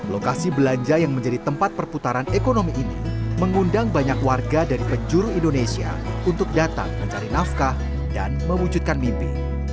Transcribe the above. lokasi belanja yang menjadi tempat perputaran ekonomi ini mengundang banyak warga dari penjuru indonesia untuk datang mencari nafkah dan mewujudkan mimpi